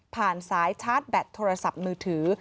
สายชาร์จแบตโทรศัพท์มือถือ